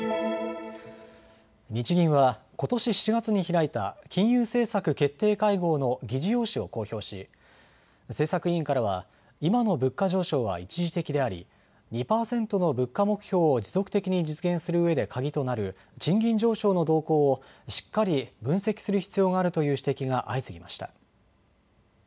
日銀はことし７月に開いた金融政策政策決定会合の議事要旨を公表し政策委員からはいまの物価上昇は一時的であり２％の物価目標を持続的に実現するうえで鍵となる賃金上昇の動向をしっかり分析する必要があるという指摘が相次ぎました。